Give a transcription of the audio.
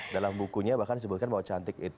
dalam bukunya bahkan disebutkan bahwa cantik itu